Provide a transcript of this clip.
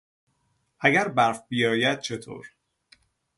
اگر برف بیاید چطور؟